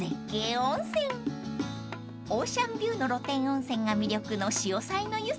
［オーシャンビューの露天温泉が魅力の］